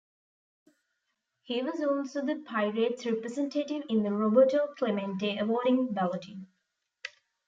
He was also the Pirates' representative in the Roberto Clemente Award balloting.